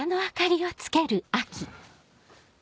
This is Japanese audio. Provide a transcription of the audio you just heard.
あっ。